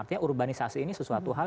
artinya urbanisasi ini sesuatu hal